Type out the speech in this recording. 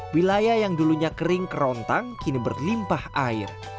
wilayah yang dulunya kering kerontang kini berlimpah air